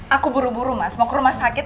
aku buru buru mas mau ke rumah sakit